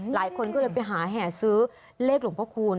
หลายคนก็เลยไปหาแห่ซื้อเลขหลวงพระคูณ